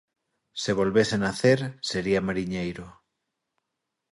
Se volvese nacer, sería mariñeiro.